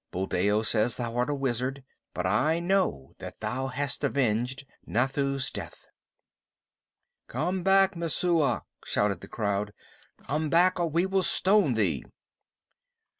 Buldeo says thou art a wizard, but I know thou hast avenged Nathoo's death." "Come back, Messua!" shouted the crowd. "Come back, or we will stone thee."